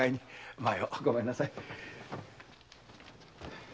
前をごめんなさい。